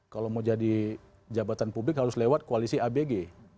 kalau mau jadi jabatan publik harus lewat koalisi abg